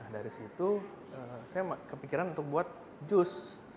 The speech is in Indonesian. dari situ saya kepikiran untuk buat jus